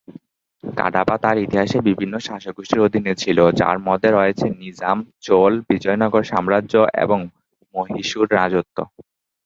কাডাপা তার ইতিহাসে বিভিন্ন শাসকগোষ্ঠীর অধীনে ছিল, যার মধ্যে রয়েছে নিজাম, চোল, বিজয়নগর সাম্রাজ্য এবং মহীশূর রাজত্ব।